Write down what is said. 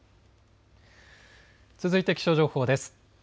続いて気象情報です。